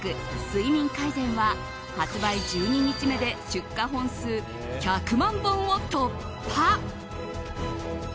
睡眠改善は発売１２日目で出荷本数１０００万本を突破。